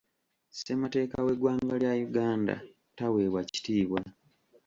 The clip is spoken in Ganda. Ssemateeka w'eggwanga lya Uganda taweebwa kitiibwa.